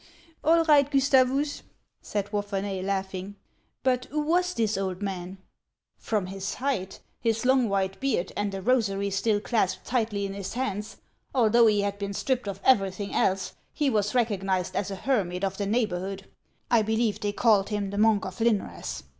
" All right, Gustavus," said "Wapherney, laughing. " But who was this old man ?"" From his height, his long white beard, and a rosary still clasped tightly in his hands, although he had been stripped of everything else, he was recognized as a her mit of the neighborhood ; I believe they called him the Monk of Lynrass.